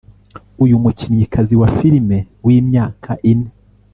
uyu mukinnyikazi wa filime w’imyaka ine